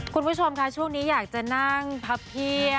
คุณผู้ชมค่ะช่วงนี้อยากจะนั่งพับเพียบ